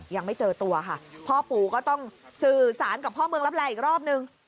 ยังไม่เจอตัวค่ะพ่อปู่ก็ต้องสื่อสารกับพ่อเมืองลับแลอีกรอบนึง